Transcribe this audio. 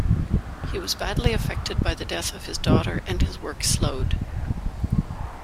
He was badly affected by the death of his daughter and his work slowed.